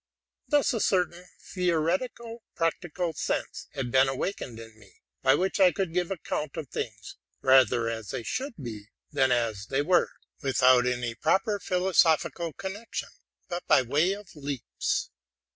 Thus a certain theoretico practical sense had been awakened in me, by which I could give account of things, rather as they should be than as they were, without any proper philosophical connection, but by way of leaps.